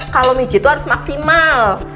kalau mijet tuh harus maksimal